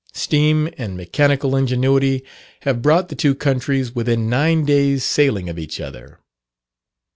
Steam and mechanical ingenuity have brought the two countries within nine days sailing of each other.